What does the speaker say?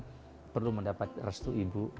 saya perlu mendapat restu ibu